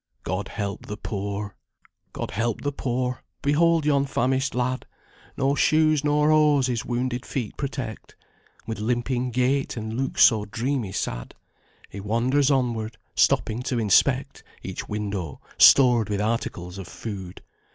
God help the poor! God help the poor! Behold yon famished lad, No shoes, nor hose, his wounded feet protect; With limping gait, and looks so dreamy sad, He wanders onward, stopping to inspect Each window, stored with articles of food.